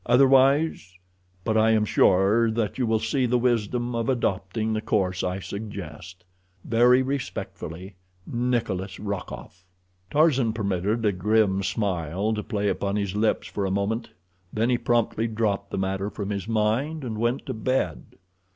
Otherwise—but I am sure that you will see the wisdom of adopting the course I suggest. Very respectfully, NIKOLAS ROKOFF. Tarzan permitted a grim smile to play about his lips for a moment, then he promptly dropped the matter from his mind, and went to bed.